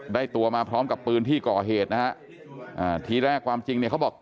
ตัวมาพร้อมกับปืนที่ก่อเหตุนะฮะอ่าทีแรกความจริงเนี่ยเขาบอก